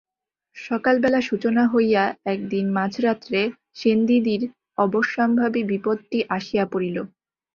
সকালবেলা সূচনা হইয়া একদিন মাঝরাত্রে সেনদিদির অবশ্যম্ভাবী বিপদটি আসিয়া পড়িল।